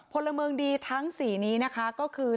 พลเมิงดีทั้ง๔นี้ก็คือ